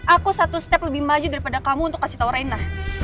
aku satu step lebih maju daripada kamu untuk kasih tahu reina